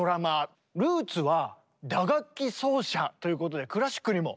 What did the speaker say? ルーツは打楽器奏者ということでクラシックにも。